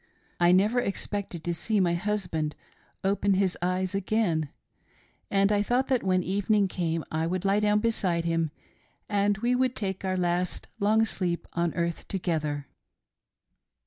I never expected to see my husband open his eyes again, and I thought that when evening came I would lie down beside him and we would take our last long sleep on earth together.